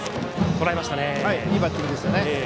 いいバッティングでした。